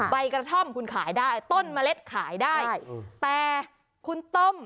ใบกระท่อมคุณขายได้ต้นเมล็ดขายได้แต่คุณต้ม